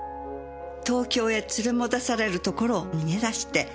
東京へ連れ戻されるところを逃げ出して。